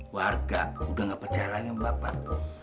warga udah nggak percaya lagi sama bapak